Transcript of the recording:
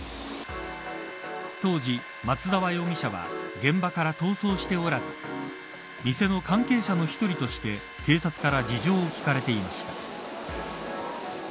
当時、松沢容疑者は現場から逃走しておらず店の関係者の１人として警察から事情を聴かれていました。